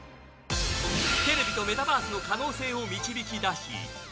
テレビとメタバースの可能性を導き出し